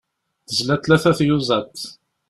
Tezla tlata n tyuẓaḍ.